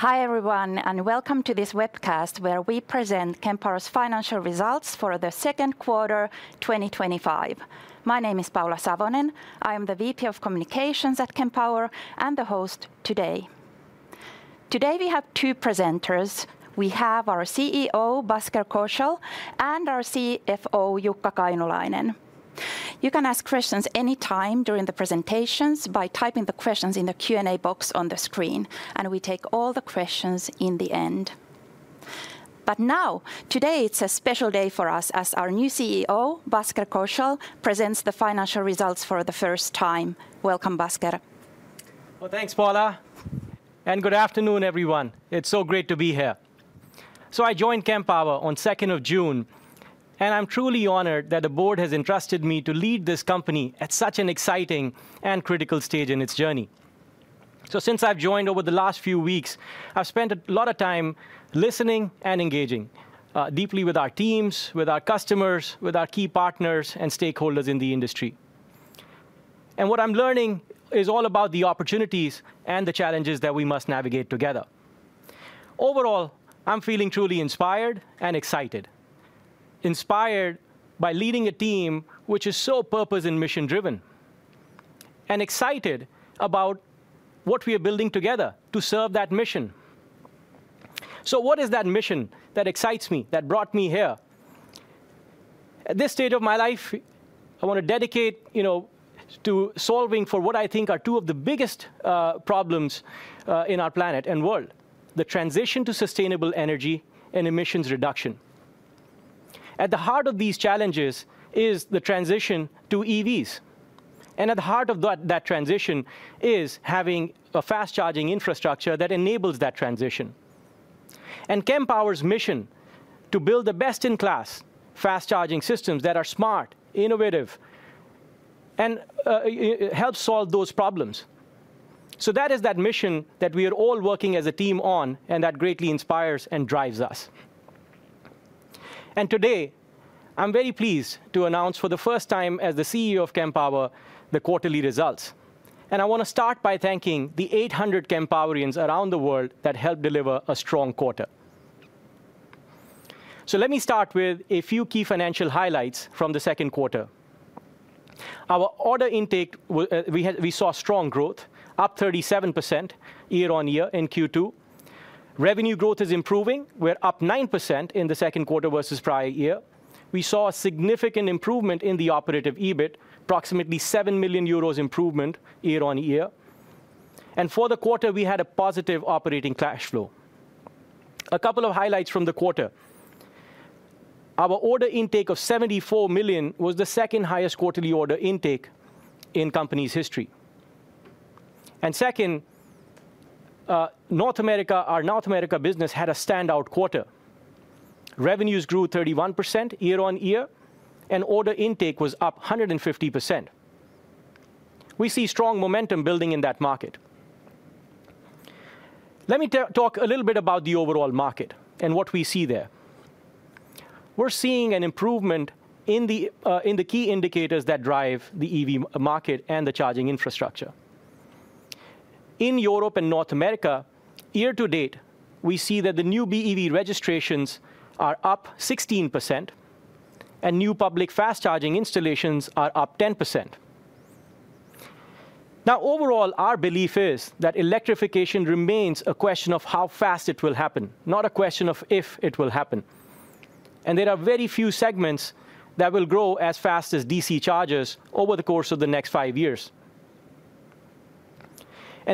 Hi everyone, and welcome to this webcast where we present Kempower's financial results for the second quarter 2025. My name is Paula Savonen. I am the VP of Communications at Kempower and the host today. Today we have two presenters. We have our CEO, Bhasker Kaushal, and our CFO, Jukka Kainulainen. You can ask questions anytime during the presentations by typing the questions in the Q&A box on the screen, and we take all the questions in the end. Today is a special day for us as our new CEO, Bhasker Kaushal, presents the financial results for the first time. Welcome, Bhasker. Thank you, Paula. Good afternoon, everyone. It's so great to be here. I joined Kempower on June 2, and I'm truly honored that the board has entrusted me to lead this company at such an exciting and critical stage in its journey. Since I've joined over the last few weeks, I've spent a lot of time listening and engaging deeply with our teams, our customers, our key partners, and stakeholders in the industry. What I'm learning is all about the opportunities and the challenges that we must navigate together. Overall, I'm feeling truly inspired and excited. Inspired by leading a team which is so purpose and mission-driven, and excited about what we are building together to serve that mission. What is that mission that excites me, that brought me here? At this stage of my life, I want to dedicate, you know, to solving for what I think are two of the biggest problems in our planet and world: the transition to sustainable energy and emissions reduction. At the heart of these challenges is the transition to EVs. At the heart of that transition is having a fast-charging infrastructure that enables that transition. Kempower's mission is to build the best-in-class fast-charging systems that are smart, innovative, and help solve those problems. That is that mission that we are all working as a team on, and that greatly inspires and drives us. Today, I'm very pleased to announce for the first time as the CEO of Kempower, the quarterly results. I want to start by thanking the 800 Kempowerians around the world that helped deliver a strong quarter. Let me start with a few key financial highlights from the second quarter. Our order intake, we saw strong growth, up 37% year-on-year in Q2. Revenue growth is improving. We're up 9% in the second quarter versus prior year. We saw a significant improvement in the operative EBIT, approximately 7 million euros improvement year-on-year. For the quarter, we had a positive operating cash flow. A couple of highlights from the quarter: our order intake of 74 million was the second highest quarterly order intake in the company's history. Our North America business had a standout quarter. Revenues grew 31% year-on-year, and order intake was up 150%. We see strong momentum building in that market. Let me talk a little bit about the overall market and what we see there. We're seeing an improvement in the key indicators that drive the EV market and the charging infrastructure. In Europe and North America, year to date, we see that the new BEV registrations are up 16%, and new public fast-charging installations are up 10%. Overall, our belief is that electrification remains a question of how fast it will happen, not a question of if it will happen. There are very few segments that will grow as fast as DC chargers over the course of the next five years.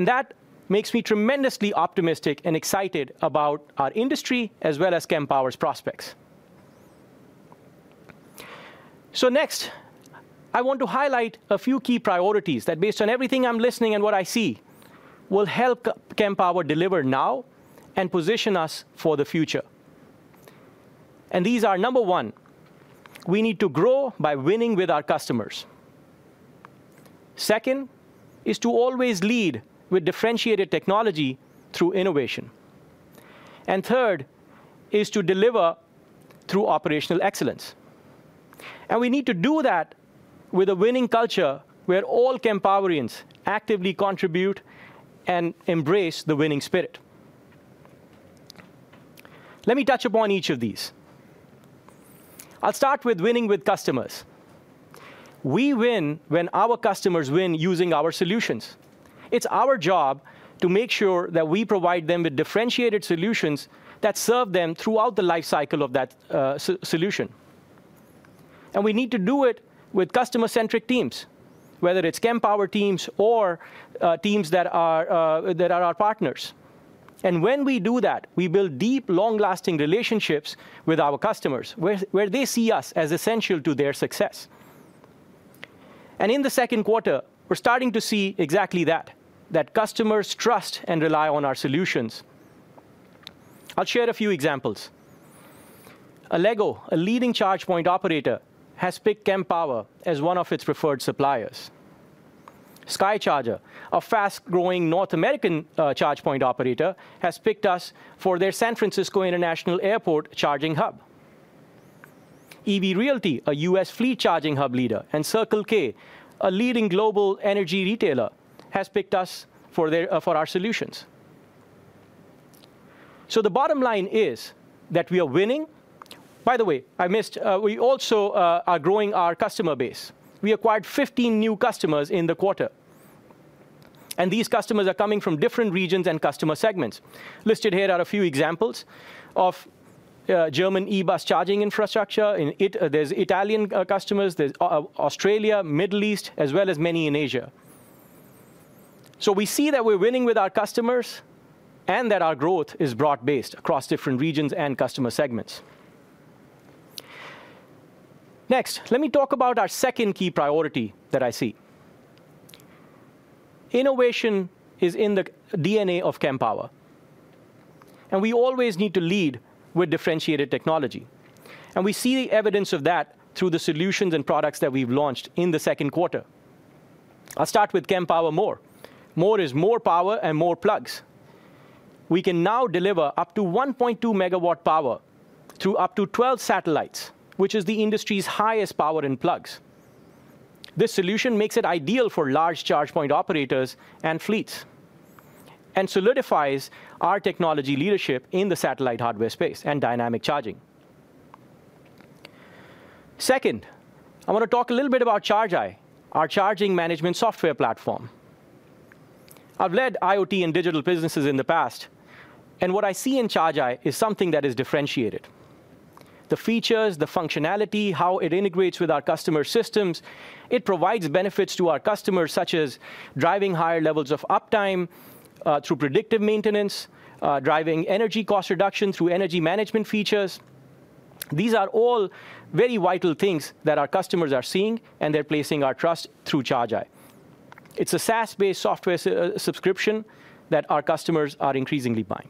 That makes me tremendously optimistic and excited about our industry as well as Kempower's prospects. Next, I want to highlight a few key priorities that, based on everything I'm listening and what I see, will help Kempower deliver now and position us for the future. These are: number one, we need to grow by winning with our customers. Second is to always lead with differentiated technology through innovation. Third is to deliver through operational excellence. We need to do that with a winning culture where all Kempowerians actively contribute and embrace the winning spirit. Let me touch upon each of these. I'll start with winning with customers. We win when our customers win using our solutions. It's our job to make sure that we provide them with differentiated solutions that serve them throughout the lifecycle of that solution. We need to do it with customer-centric teams, whether it's Kempower teams or teams that are our partners. When we do that, we build deep, long-lasting relationships with our customers, where they see us as essential to their success. In the second quarter, we're starting to see exactly that, that customers trust and rely on our solutions. I'll share a few examples. Allego, a leading charge point operator, has picked Kempower as one of its preferred suppliers. Sky Charger, a fast-growing North American charge point operator, has picked us for their San Francisco International Airport charging hub. EV Realty, a U.S. fleet charging hub leader, and Circle K, a leading global energy retailer, has picked us for our solutions. The bottom line is that we are winning. By the way, I missed, we also are growing our customer base. We acquired 15 new customers in the quarter. These customers are coming from different regions and customer segments. Listed here are a few examples of German E-bus charging infrastructure. There's Italian customers, there's Australia, Middle East, as well as many in Asia. We see that we're winning with our customers and that our growth is broad-based across different regions and customer segments. Next, let me talk about our second key priority that I see. Innovation is in the DNA of Kempower. We always need to lead with differentiated technology. We see the evidence of that through the solutions and products that we've launched in the second quarter. I'll start with Kempower MORE. MORE is more power and more plugs. We can now deliver up to 1.2 MW power through up to 12 satellites, which is the industry's highest power in plugs. This solution makes it ideal for large charge point operators and fleets and solidifies our technology leadership in the satellite hardware space and dynamic charging. Second, I want to talk a little bit about ChargeEye, our charging management software platform. I've led IoT and digital businesses in the past, and what I see in ChargeEye is something that is differentiated. The features, the functionality, how it integrates with our customer systems, it provides benefits to our customers such as driving higher levels of uptime through predictive maintenance, driving energy cost reduction through energy management features. These are all very vital things that our customers are seeing, and they're placing our trust through ChargeEye. It's a SaaS-based software subscription that our customers are increasingly buying.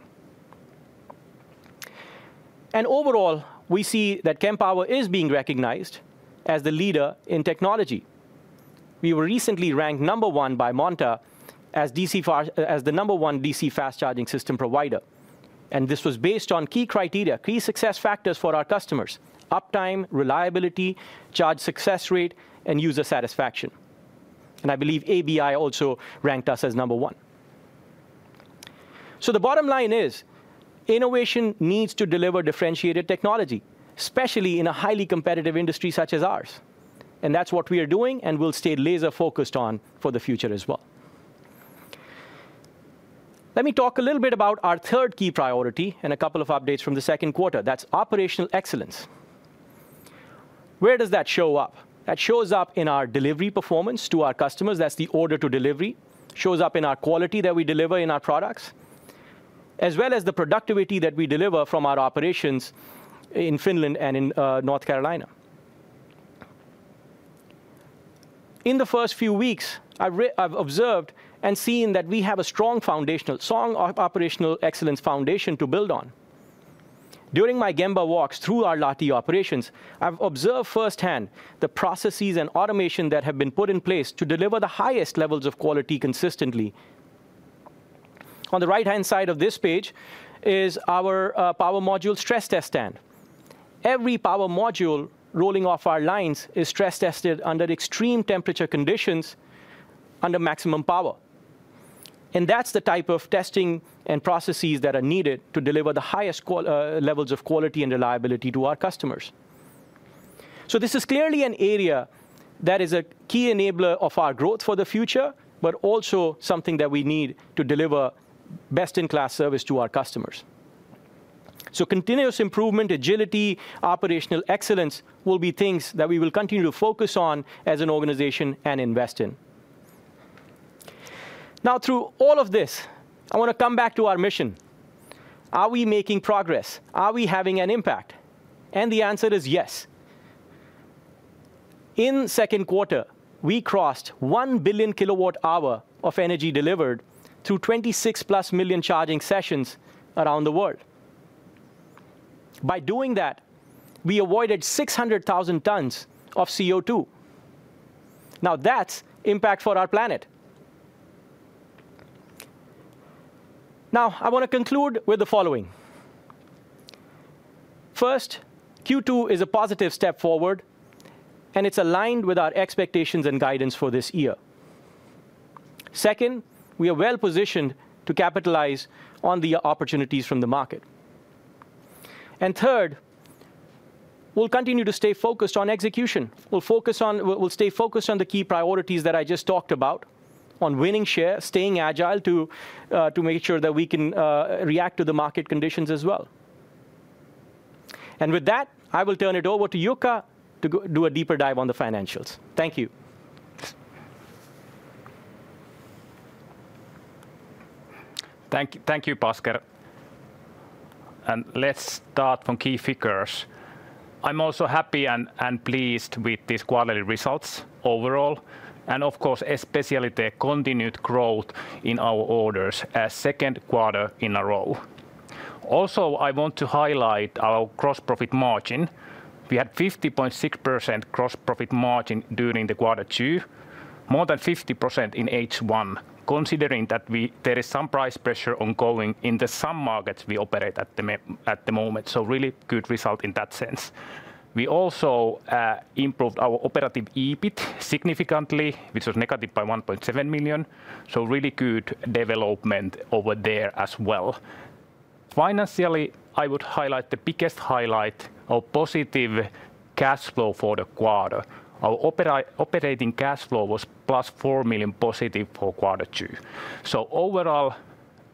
Overall, we see that Kempower is being recognized as the leader in technology. We were recently ranked number one by Monta as the number one DC fast charging system provider. This was based on key criteria, key success factors for our customers: uptime, reliability, charge success rate, and user satisfaction. I believe ABI also ranked us as number one. The bottom line is innovation needs to deliver differentiated technology, especially in a highly competitive industry such as ours. That's what we are doing and will stay laser-focused on for the future as well. Let me talk a little bit about our third key priority and a couple of updates from the second quarter. That's operational excellence. Where does that show up? That shows up in our delivery performance to our customers. That's the order to delivery. It shows up in our quality that we deliver in our products, as well as the productivity that we deliver from our operations in Finland and in North Carolina. In the first few weeks, I've observed and seen that we have a strong operational excellence foundation to build on. During my Gemba walks through our Lahti operations, I've observed firsthand the processes and automation that have been put in place to deliver the highest levels of quality consistently. On the right-hand side of this page is our power module stress test stand. Every power module rolling off our lines is stress tested under extreme temperature conditions under maximum power. That's the type of testing and processes that are needed to deliver the highest levels of quality and reliability to our customers. This is clearly an area that is a key enabler of our growth for the future, but also something that we need to deliver best-in-class service to our customers. Continuous improvement, agility, operational excellence will be things that we will continue to focus on as an organization and invest in. Now, through all of this, I want to come back to our mission. Are we making progress? Are we having an impact? The answer is yes. In the second quarter, we crossed 1 billion kWh of energy delivered through 26+ million charging sessions around the world. By doing that, we avoided 600,000 tons of CO2. That's impact for our planet. I want to conclude with the following. First, Q2 is a positive step forward, and it's aligned with our expectations and guidance for this year. Second, we are well positioned to capitalize on the opportunities from the market. Third, we'll continue to stay focused on execution. We'll stay focused on the key priorities that I just talked about, on winning share, staying agile to make sure that we can react to the market conditions as well. With that, I will turn it over to Jukka to do a deeper dive on the financials. Thank you. Thank you, Bhasker. Let's start from key figures. I'm also happy and pleased with these quarterly results overall, and of course, especially the continued growth in our orders as the second quarter in a row. Also, I want to highlight our gross profit margin. We had 50.6% gross profit margin during the quarter two, more than 50% in H1, considering that there is some price pressure ongoing in some markets we operate in at the moment. Really good result in that sense. We also improved our operative EBIT significantly, which was negative by 1.7 million. Really good development over there as well. Financially, I would highlight the biggest highlight, our positive cash flow for the quarter. Our operating cash flow was +4 million positive for quarter two. Overall,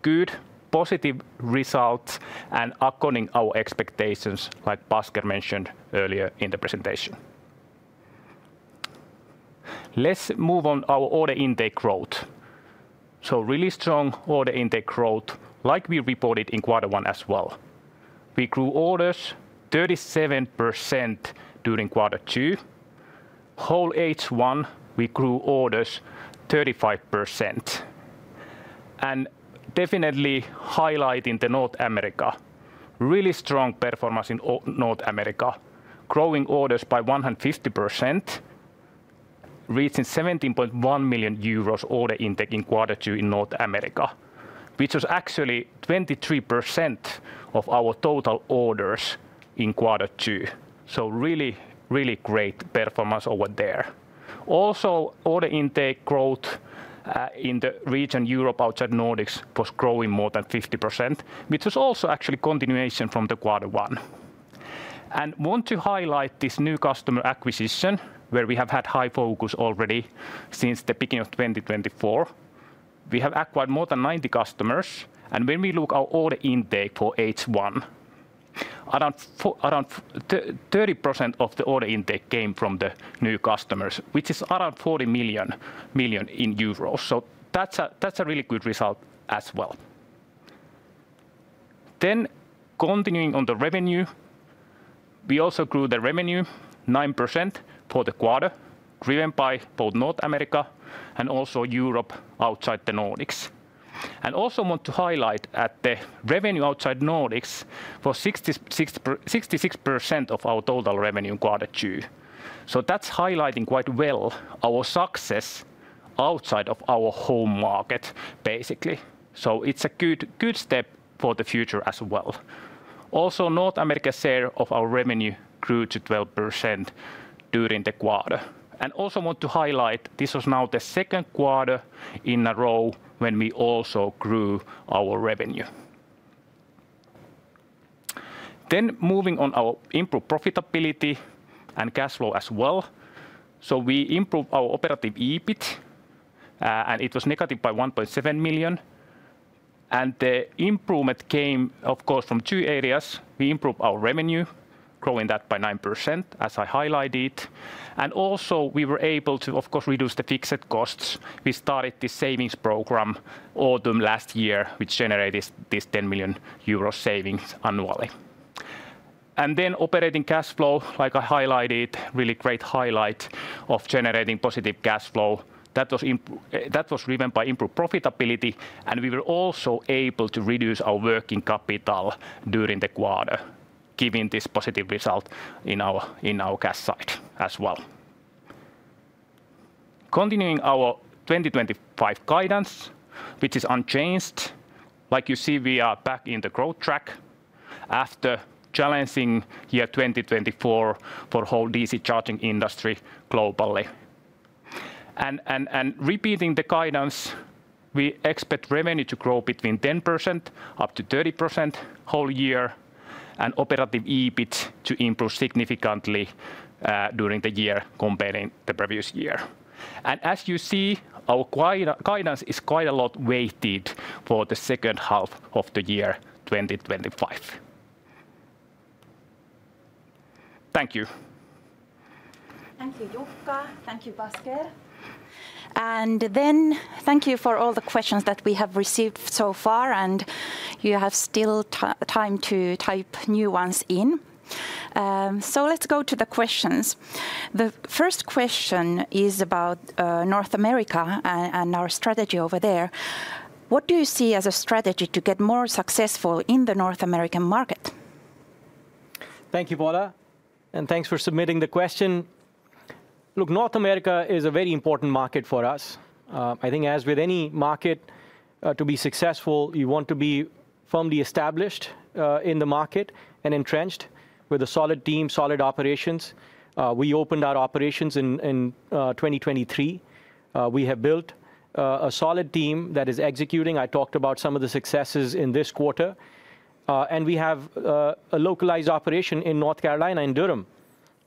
good positive results and according to our expectations, like Bhasker mentioned earlier in the presentation. Let's move on to our order intake growth. Really strong order intake growth, like we reported in quarter one as well. We grew orders 37% during quarter two. Whole H1, we grew orders 35%. Definitely highlighting North America, really strong performance in North America, growing orders by 150%, reaching 17.1 million euros order intake in quarter two in North America, which was actually 23% of our total orders in quarter two. Really, really great performance over there. Also, order intake growth in the region Europe outside Nordics was growing more than 50%, which was also actually a continuation from the quarter one. I want to highlight this new customer acquisition where we have had high focus already since the beginning of 2024. We have acquired more than 90 customers, and when we look at our order intake for H1, around 30% of the order intake came from the new customers, which is around 40 million euros. That's a really good result as well. Continuing on the revenue, we also grew the revenue 9% for the quarter, driven by both North America and also Europe outside the Nordics. I also want to highlight that the revenue outside Nordics was 66% of our total revenue in quarter two. That's highlighting quite well our success outside of our home market, basically. It's a good step for the future as well. Also, North America share of our revenue grew to 12% during the quarter. I also want to highlight this was now the second quarter in a row when we also grew our revenue. Moving on to our improved profitability and cash flow as well. We improved our operative EBIT, and it was negative by 1.7 million. The improvement came, of course, from two areas. We improved our revenue, growing that by 9%, as I highlighted. We were able to, of course, reduce the fixed costs. We started this savings program, Autumn last year, which generated this 10 million euro savings annually. Operating cash flow, like I highlighted, really great highlight of generating positive cash flow. That was driven by improved profitability, and we were also able to reduce our working capital during the quarter, giving this positive result in our cash side as well. Continuing our 2025 guidance, which is unchanged, like you see, we are back in the growth track after challenging year 2024 for the whole DC fast charging industry globally. Repeating the guidance, we expect revenue to grow between 10% up to 30% whole year and operative EBIT to improve significantly during the year comparing the previous year. As you see, our guidance is quite a lot weighted for the second half of the year 2025. Thank you. Thank you. Jukka. Thank you, Bhasker. Thank you for all the questions that we have received so far, and you still have time to type new ones in. Let's go to the questions. The first question is about North America and our strategy over there. What do you see as a strategy to get more successful in the North American market? Thank you, Paula, and thanks for submitting the question. North America is a very important market for us. I think, as with any market, to be successful, you want to be firmly established in the market and entrenched with a solid team, solid operations. We opened our operations in 2023. We have built a solid team that is executing. I talked about some of the successes in this quarter. We have a localized operation in North Carolina, in Durham.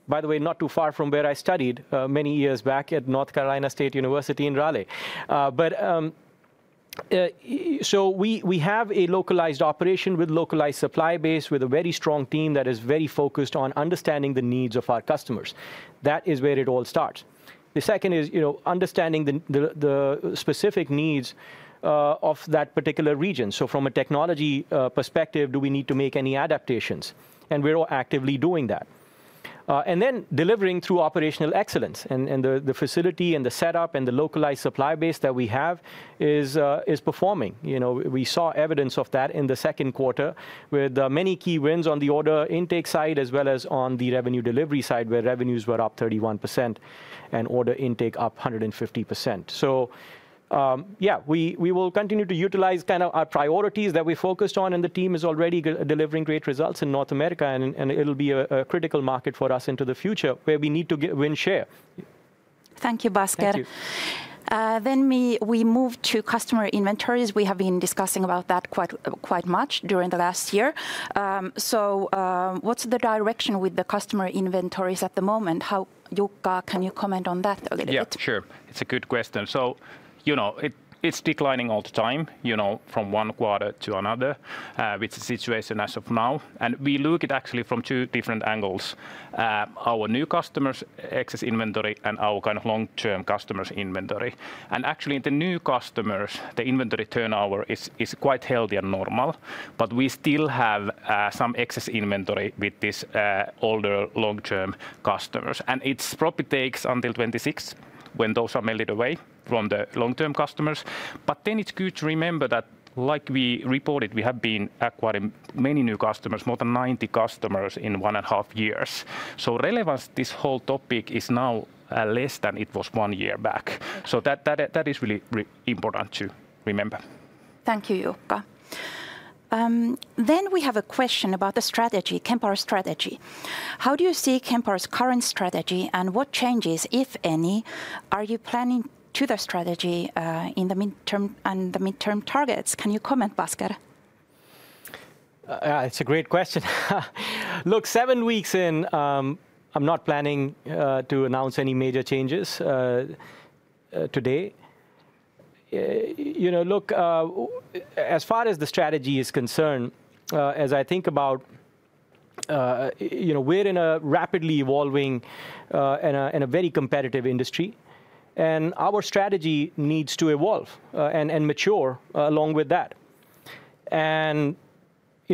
By the way, not too far from where I studied many years back at North Carolina State University in Raleigh. We have a localized operation with a localized supply base, with a very strong team that is very focused on understanding the needs of our customers. That is where it all starts. The second is understanding the specific needs of that particular region. From a technology perspective, do we need to make any adaptations? We're actively doing that. Then delivering through operational excellence. The facility and the setup and the localized supply base that we have is performing. We saw evidence of that in the second quarter with many key wins on the order intake side, as well as on the revenue delivery side, where revenues were up 31% and order intake up 150%. We will continue to utilize kind of our priorities that we focused on, and the team is already delivering great results in North America, and it'll be a critical market for us into the future where we need to win share. Thank you, Bhasker. Thank you. We move to customer inventories. We have been discussing about that quite much during the last year. What's the direction with the customer inventories at the moment? How, Jukka, can you comment on that a little bit? Yeah, sure. It's a good question. It's declining all the time, from one quarter to another, which is the situation as of now. We look at it actually from two different angles: our new customers' excess inventory and our kind of long-term customers' inventory. Actually, in the new customers, the inventory turnover is quite healthy and normal, but we still have some excess inventory with these older long-term customers. It probably takes until 2026 when those are melted away from the long-term customers. It's good to remember that, like we reported, we have been acquiring many new customers, more than 90 customers in one and a half years. Relevance to this whole topic is now less than it was one year back. That is really important to remember. Thank you, Jukka. We have a question about the strategy, Kempower's strategy. How do you see Kempower's current strategy, and what changes, if any, are you planning to the strategy in the mid-term targets? Can you comment, Bhasker? Yeah, it's a great question. Look, seven weeks in, I'm not planning to announce any major changes today. As far as the strategy is concerned, as I think about, you know, we're in a rapidly evolving and a very competitive industry, and our strategy needs to evolve and mature along with that.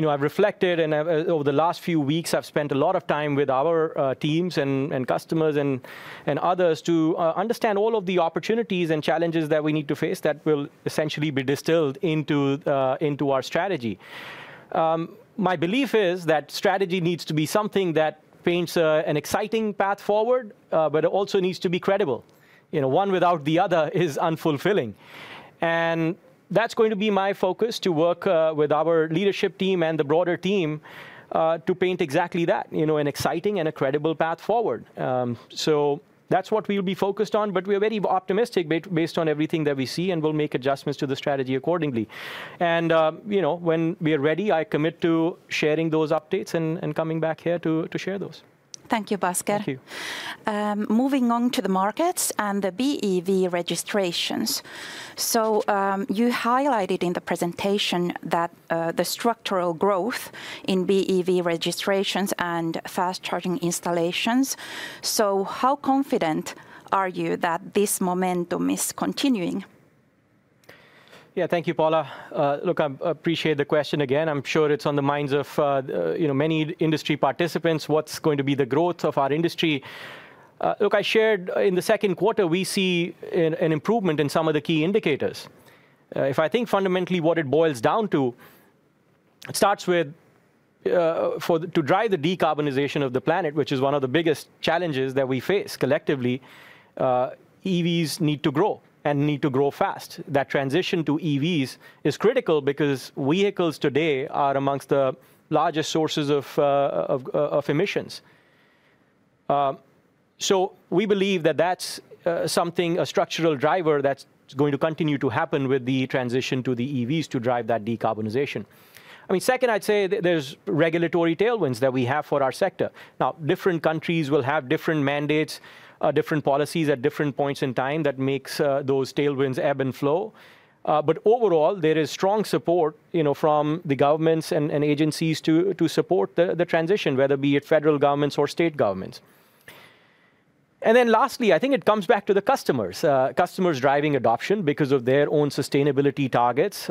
I've reflected, and over the last few weeks, I've spent a lot of time with our teams and customers and others to understand all of the opportunities and challenges that we need to face that will essentially be distilled into our strategy. My belief is that strategy needs to be something that paints an exciting path forward, but it also needs to be credible. One without the other is unfulfilling. That's going to be my focus to work with our leadership team and the broader team to paint exactly that, an exciting and a credible path forward. That's what we'll be focused on, but we're very optimistic based on everything that we see, and we'll make adjustments to the strategy accordingly. When we're ready, I commit to sharing those updates and coming back here to share those. Thank you, Bhasker. Thank you. Moving on to the markets and the BEV registrations. You highlighted in the presentation that the structural growth in BEV registrations and fast charging installations. How confident are you that this momentum is continuing? Thank you, Paula. I appreciate the question again. I'm sure it's on the minds of many industry participants. What's going to be the growth of our industry? I shared in the second quarter, we see an improvement in some of the key indicators. If I think fundamentally what it boils down to, it starts with to drive the decarbonization of the planet, which is one of the biggest challenges that we face collectively. EVs need to grow and need to grow fast. That transition to EVs is critical because vehicles today are amongst the largest sources of emissions. We believe that that's something, a structural driver that's going to continue to happen with the transition to the EVs to drive that decarbonization. Second, I'd say there's regulatory tailwinds that we have for our sector. Different countries will have different mandates, different policies at different points in time that make those tailwinds ebb and flow. Overall, there is strong support from the governments and agencies to support the transition, whether it be federal governments or state governments. Lastly, I think it comes back to the customers. Customers driving adoption because of their own sustainability targets.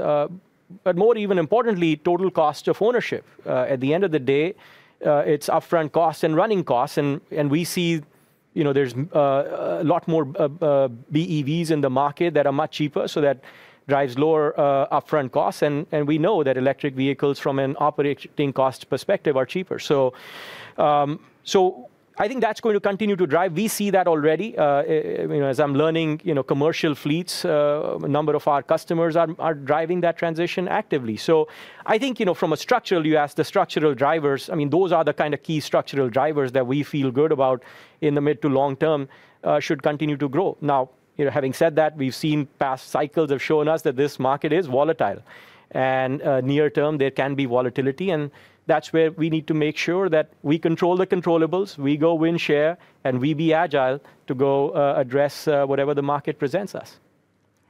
More, even importantly, total cost of ownership. At the end of the day, it's upfront costs and running costs. We see there's a lot more BEVs in the market that are much cheaper. That drives lower upfront costs. We know that electric vehicles from an operating cost perspective are cheaper. I think that's going to continue to drive. We see that already. As I'm learning, commercial fleets, a number of our customers are driving that transition actively. From a structural view, as the structural drivers, those are the kind of key structural drivers that we feel good about in the mid to long term should continue to grow. Having said that, we've seen past cycles have shown us that this market is volatile. Near term, there can be volatility. That's where we need to make sure that we control the controllables. We go win share and we be agile to go address whatever the market presents us.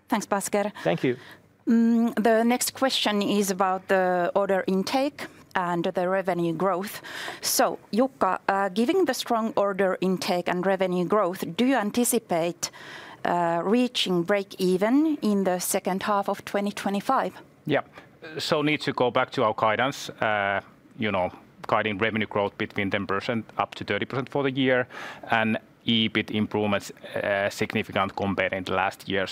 Thanks, Bhasker. Thank you. The next question is about the order intake and the revenue growth. Jukka, given the strong order intake and revenue growth, do you anticipate reaching break even in the second half of 2025? Yeah, need to go back to our guidance. You know, guiding revenue growth between 10% up to 30% for the year, and EBIT improvements are significant compared to the last year.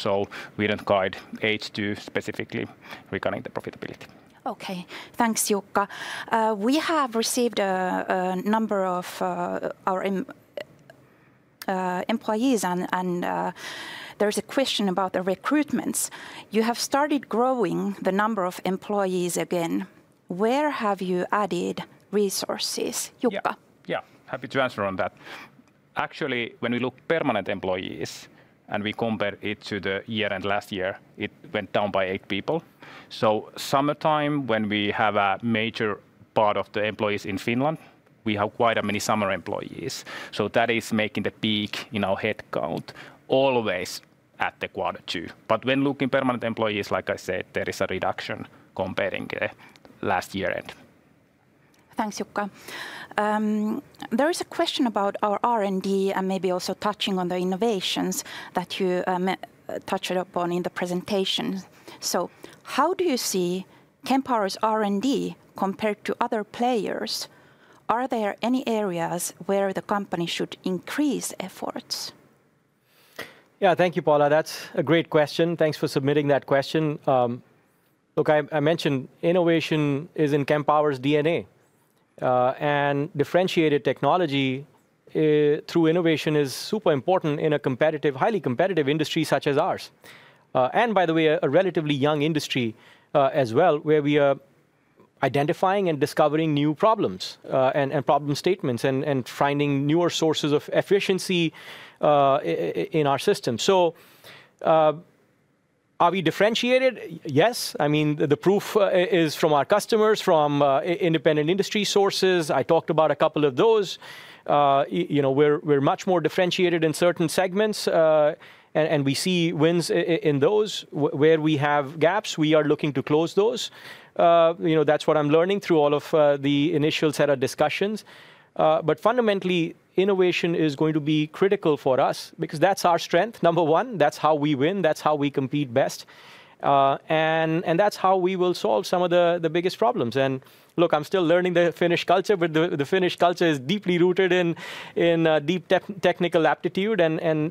We don't guide H2 specifically regarding the profitability. Okay, thanks, Jukka. We have received a number of our employees, and there's a question about the recruitments. You have started growing the number of employees again. Where have you added resources? Jukka? Yeah, happy to answer on that. Actually, when we look at permanent employees and we compare it to the year end last year, it went down by eight people. Summertime, when we have a major part of the employees in Finland, we have quite many summer employees. That is making the peak in our headcount always at the quarter two. When looking at permanent employees, like I said, there is a reduction comparing the last year. Thanks, Jukka. There is a question about our R&D and maybe also touching on the innovations that you touched upon in the presentation. How do you see Kempower's R&D compared to other players? Are there any areas where the company should increase efforts? Thank you, Paula. That's a great question. Thanks for submitting that question. I mentioned innovation is in Kempower's DNA. Differentiated technology through innovation is super important in a highly competitive industry such as ours. By the way, a relatively young industry as well, where we are identifying and discovering new problems and problem statements and finding newer sources of efficiency in our system. Are we differentiated? Yes. The proof is from our customers, from independent industry sources. I talked about a couple of those. We're much more differentiated in certain segments, and we see wins in those. Where we have gaps, we are looking to close those. That's what I'm learning through all of the initial set of discussions. Fundamentally, innovation is going to be critical for us because that's our strength, number one. That's how we win. That's how we compete best. That's how we will solve some of the biggest problems. I'm still learning the Finnish culture, but the Finnish culture is deeply rooted in deep technical aptitude.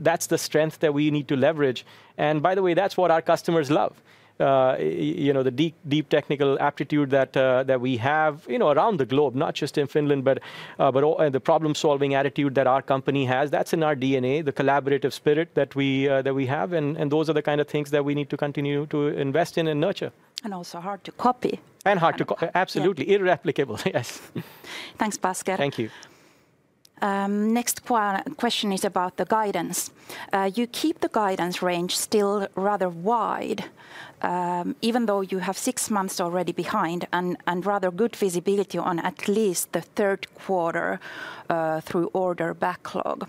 That's the strength that we need to leverage. By the way, that's what our customers love, the deep technical aptitude that we have around the globe, not just in Finland, but the problem-solving attitude that our company has. That's in our DNA, the collaborative spirit that we have. Those are the kind of things that we need to continue to invest in and nurture. is also hard to copy. Hard to copy. Absolutely. Irreplicable. Yes. Thanks, Bhasker. Thank you. Next question is about the guidance. You keep the guidance range still rather wide, even though you have six months already behind and rather good visibility on at least the third quarter through order backlog.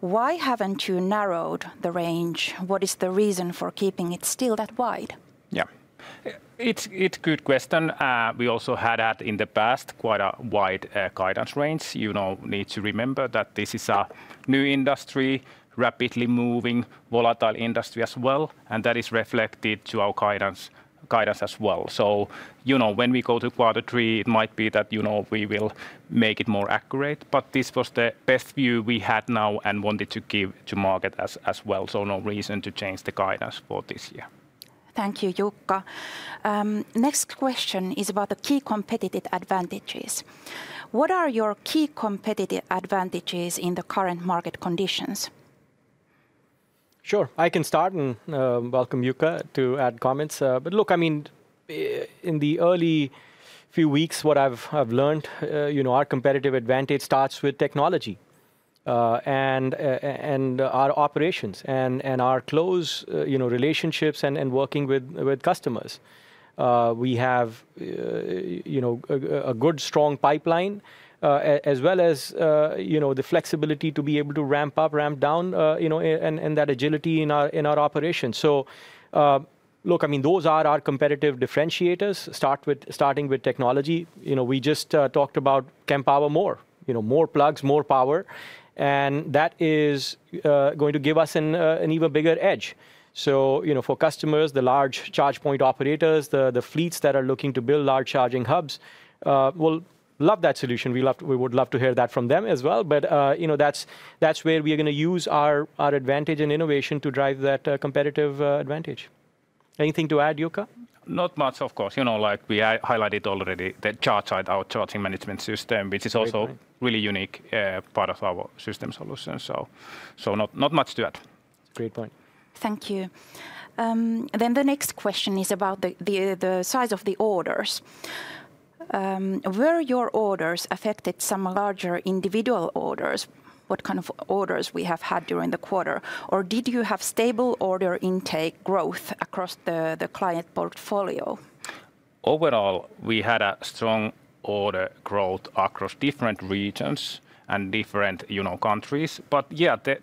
Why haven't you narrowed the range? What is the reason for keeping it still that wide? Yeah, it's a good question. We also had that in the past, quite a wide guidance range. You need to remember that this is a new industry, rapidly moving, volatile industry as well. That is reflected to our guidance as well. When we go to quarter three, it might be that we will make it more accurate. This was the best view we had now and wanted to give to the market as well. No reason to change the guidance for this year. Thank you, Jukka. Next question is about the key competitive advantages. What are your key competitive advantages in the current market conditions? Sure, I can start and welcome Jukka to add comments. In the early few weeks, what I've learned, our competitive advantage starts with technology and our operations and our close relationships and working with customers. We have a good, strong pipeline as well as the flexibility to be able to ramp up, ramp down, and that agility in our operations. Those are our competitive differentiators. Starting with technology, we just talked about Kempower MORE, more plugs, more power. That is going to give us an even bigger edge. For customers, the large charge point operators, the fleets that are looking to build large charging hubs, we'll love that solution. We would love to hear that from them as well. That's where we are going to use our advantage and innovation to drive that competitive advantage. Anything to add, Jukka? Not much, of course. You know, like we highlighted already, the charging management system, which is also a really unique part of our system solution. Not much to add. Great point. Thank you. The next question is about the size of the orders. Were your orders affected by some larger individual orders? What kind of orders have you had during the quarter? Did you have stable order intake growth across the client portfolio? Overall, we had a strong order growth across different regions and different, you know, countries.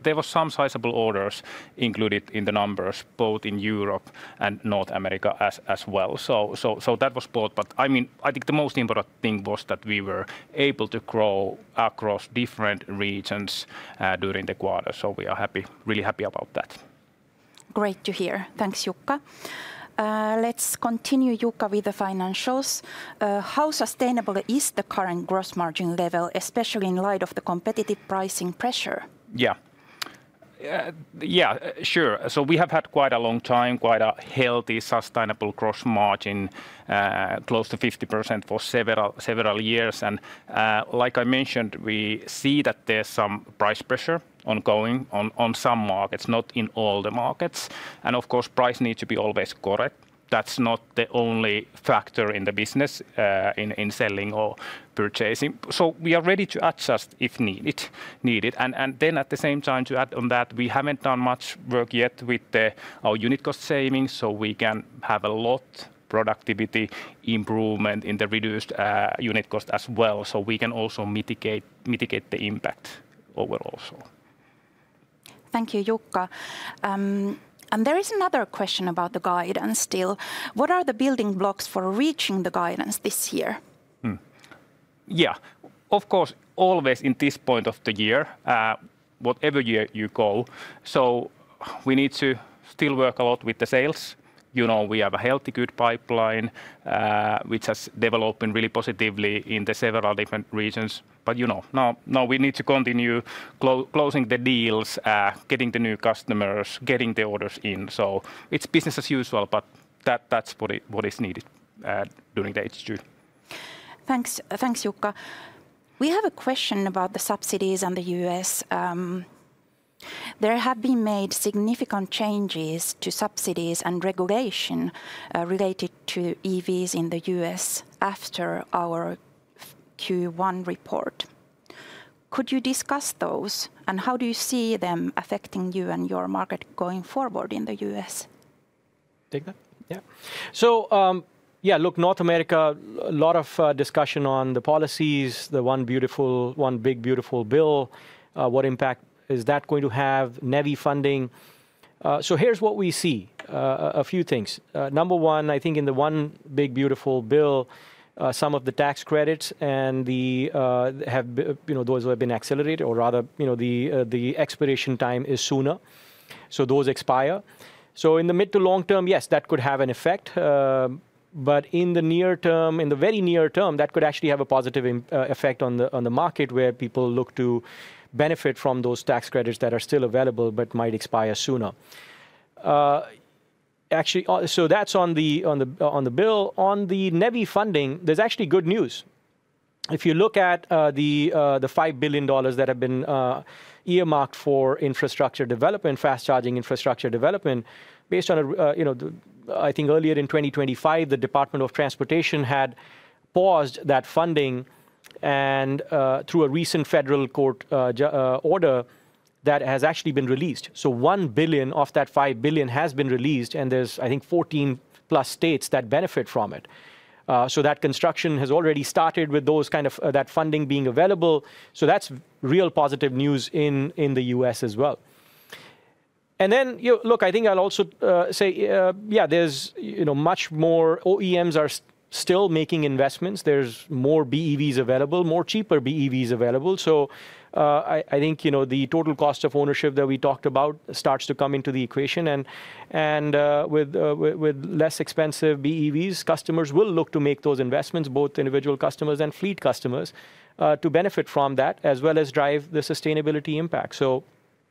There were some sizable orders included in the numbers, both in Europe and North America as well. That was both. I think the most important thing was that we were able to grow across different regions during the quarter. We are really happy about that. Great to hear. Thanks, Jukka. Let's continue, Jukka, with the financials. How sustainable is the current gross margin level, especially in light of the competitive pricing pressure? Yeah, sure. We have had quite a long time, quite a healthy, sustainable gross margin, close to 50% for several years. Like I mentioned, we see that there's some price pressure ongoing on some markets, not in all the markets. Of course, price needs to be always correct. That's not the only factor in the business in selling or purchasing. We are ready to adjust if needed. At the same time, to add on that, we haven't done much work yet with our unit cost savings. We can have a lot of productivity improvement in the reduced unit cost as well. We can also mitigate the impact overall. Thank you, Jukka. There is another question about the guidance still. What are the building blocks for reaching the guidance this year? Of course, always in this point of the year, whatever year you go. We need to still work a lot with the sales. We have a healthy, good pipeline, which has developed really positively in the several different regions. Now we need to continue closing the deals, getting the new customers, getting the orders in. It's business as usual, but that's what is needed during the H2. Thanks, Jukka. We have a question about the subsidies in the U.S. There have been made significant changes to subsidies and regulation related to EVs in the U.S. after our Q1 report. Could you discuss those and how do you see them affecting you and your market going forward in the U.S.? Yeah, look, North America, a lot of discussion on the policies, the one beautiful, one big beautiful bill. What impact is that going to have? NEVI funding. Here's what we see, a few things. Number one, I think in the one big beautiful bill, some of the tax credits and those have been accelerated, or rather, you know, the expiration time is sooner. Those expire. In the mid to long term, yes, that could have an effect. In the near term, in the very near term, that could actually have a positive effect on the market where people look to benefit from those tax credits that are still available but might expire sooner. That's on the bill. On the NEVI funding, there's actually good news. If you look at the $5 billion that have been earmarked for infrastructure development, fast charging infrastructure development, based on, you know, I think earlier in 2025, the Department of Transportation had paused that funding. Through a recent federal court order, that has actually been released. $1 billion of that $5 billion has been released. There's, I think, 14+ states that benefit from it. That construction has already started with that funding being available. That's real positive news in the U.S. as well. I think I'll also say, yeah, there's much more OEMs are still making investments. There's more BEVs available, more cheaper BEVs available. I think the total cost of ownership that we talked about starts to come into the equation. With less expensive BEVs, customers will look to make those investments, both individual customers and fleet customers, to benefit from that, as well as drive the sustainability impact.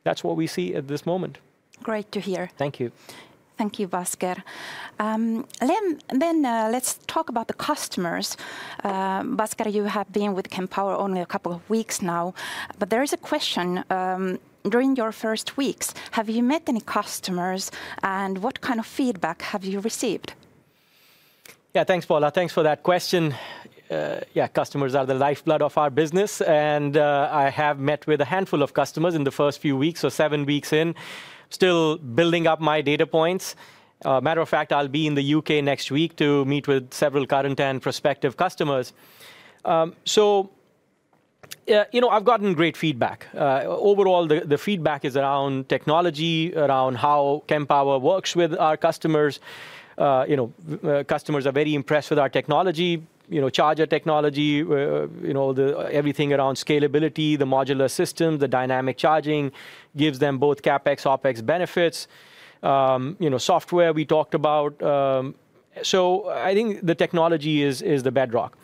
That's what we see at this moment. Great to hear. Thank you. Thank you, Bhasker. Let's talk about the customers. Bhasker, you have been with Kempower only a couple of weeks now. There is a question. During your first weeks, have you met any customers? What kind of feedback have you received? Yeah, thanks, Paula. Thanks for that question. Customers are the lifeblood of our business. I have met with a handful of customers in the first few weeks, so seven weeks in, still building up my data points. Matter of fact, I'll be in the U.K. next week to meet with several current and prospective customers. I've gotten great feedback. Overall, the feedback is around technology, around how Kempower works with our customers. Customers are very impressed with our technology, charger technology, everything around scalability, the modular system, the dynamic charging gives them both CapEx, OpEx benefits. Software we talked about. I think the technology is the bedrock.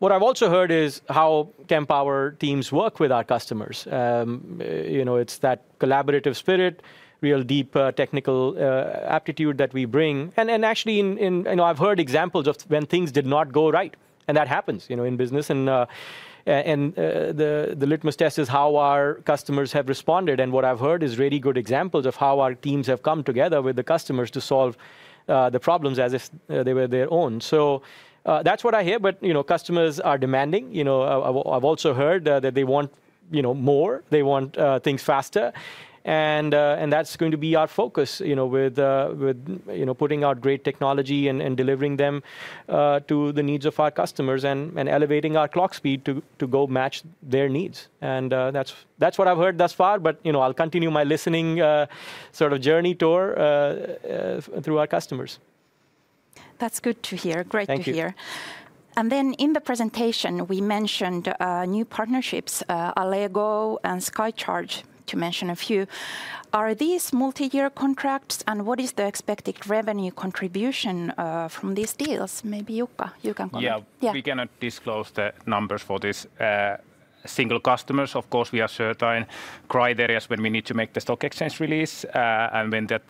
What I've also heard is how Kempower teams work with our customers. It's that collaborative spirit, real deep technical aptitude that we bring. Actually, I've heard examples of when things did not go right. That happens in business. The litmus test is how our customers have responded. What I've heard is really good examples of how our teams have come together with the customers to solve the problems as if they were their own. That's what I hear. Customers are demanding. I've also heard that they want more. They want things faster. That's going to be our focus, putting out great technology and delivering them to the needs of our customers and elevating our clock speed to go match their needs. That's what I've heard thus far. I'll continue my listening sort of journey tour through our customers. That's good to hear. Great to hear. In the presentation, we mentioned new partnerships, Allego and Sky Charger, to mention a few. Are these multi-year contracts? What is the expected revenue contribution from these deals? Maybe Jukka, you can comment. Yeah, we cannot disclose the numbers for these single customers. Of course, we have certain criteria when we need to make the stock exchange release. When that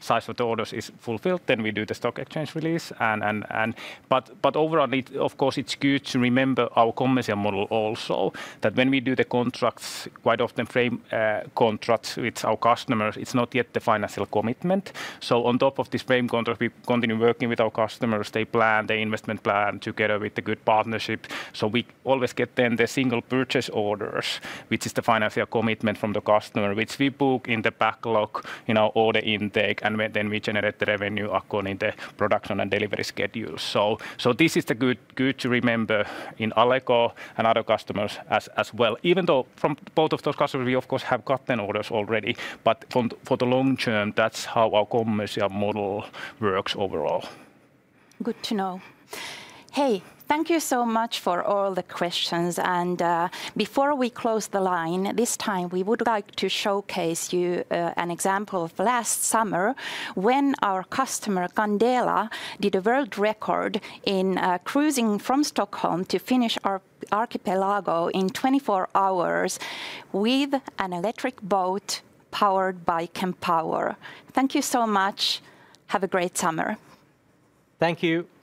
size of the orders is fulfilled, we do the stock exchange release. Overall, it's good to remember our commercial model also that when we do the contracts, quite often frame agreements with our customers, it's not yet the financial commitment. On top of this frame agreement, we continue working with our customers, their plan, their investment plan, together with a good partnership. We always get then the single purchase orders, which is the financial commitment from the customer, which we book in the backlog in our order intake. We generate the revenue according to the production and delivery schedule. This is good to remember in Allego and other customers as well. Even though from both of those customers, we of course have gotten orders already. For the long term, that's how our commercial model works overall. Good to know. Thank you so much for all the questions. Before we close the line, this time we would like to showcase you an example of last summer when our customer Candela did a world record in cruising from Stockholm to Finnish archipelago in 24 hours with an electric boat powered by Kempower. Thank you so much. Have a great summer. Thank you. Thank you.